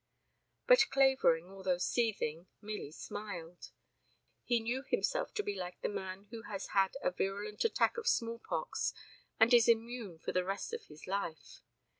"' But Clavering, although seething, merely smiled. He knew himself to be like the man who has had a virulent attack of small pox and is immune for the rest of his life.